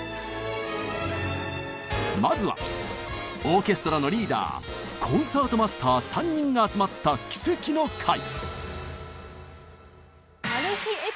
まずはオーケストラのリーダーコンサートマスター３人が集まった奇跡の回！